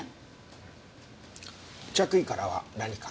着衣からは何か？